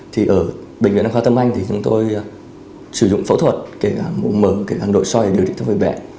thì ở bệnh viện đăng khoa tâm anh thì chúng tôi sử dụng phẫu thuật kể cả mổ mở kể cả nội soi để điều trị thoát vị bệnh